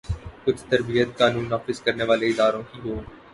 کچھ تربیت قانون نافذ کرنے والے اداروں کی ہو۔